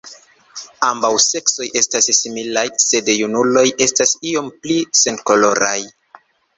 Ambaŭ seksoj estas similaj, sed junuloj estas iom pli senkoloraj.